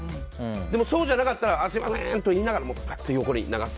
でも、そうじゃなかったらすいませんと言いながらパッと横に流す。